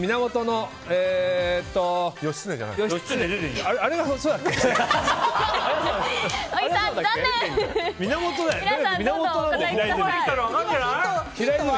義経じゃないの？